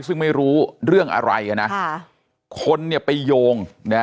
ซึ่งไม่รู้เรื่องอะไรนะคนเนี่ยไปโยง